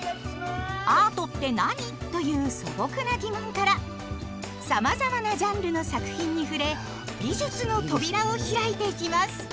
「アートって何？」という素朴な疑問からさまざまなジャンルの作品に触れ美術の扉を開いていきます。